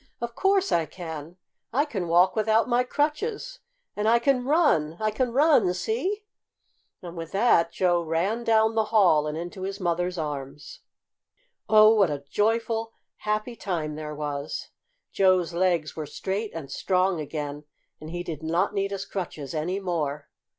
"Of course I can! I can walk without my crutches, and I can run! I can run! See!" And with that Joe ran down the hall and into his mother's arms. Oh, what a joyful happy time there was! Joe's legs were straight and strong again, and he did not need his crutches any more.